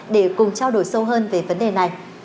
để cùng trao đổi sâu hơn về vấn đề này